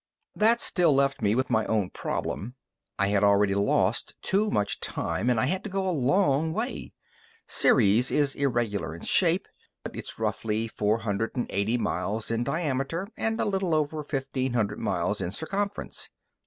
That still left me with my own problem. I had already lost too much time, and I had to go a long way. Ceres is irregular in shape, but it's roughly four hundred and eighty miles in diameter and a little over fifteen hundred miles in circumference.